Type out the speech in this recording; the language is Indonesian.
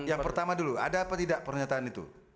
yang pertama dulu ada apa tidak pernyataan itu